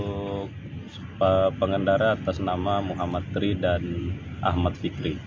untuk pengendara atas nama muhammad tri dan ahmad fikri